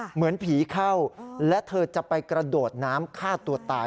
เหมือนผีเข้าและเธอจะไปกระโดดน้ำฆ่าตัวตาย